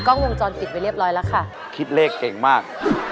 คลิปเลขเก่งมาก